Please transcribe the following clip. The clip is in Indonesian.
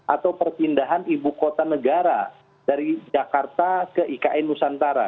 atau perpindahan ibu kota negara dari jakarta ke ikn nusantara